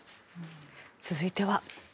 続いては。